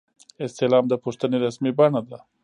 استعلام د پوښتنې رسمي بڼه ده